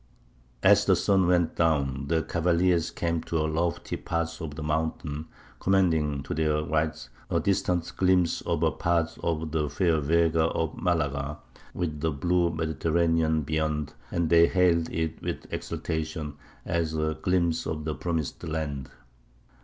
"As the sun went down, the cavaliers came to a lofty part of the mountains, commanding, to their right, a distant glimpse of a part of the fair Vega of Malaga, with the blue Mediterranean beyond, and they hailed it with exultation, as a glimpse of the promised land.